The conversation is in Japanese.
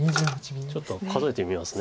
ちょっと数えてみます。